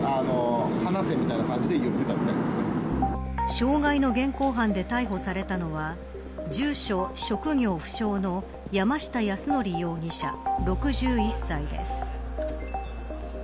傷害の現行犯で逮捕されたのは住所、職業不詳の山下泰範容疑者、６１歳です。